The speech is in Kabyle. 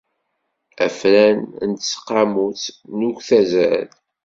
Afran n tseqqamut n uktazal.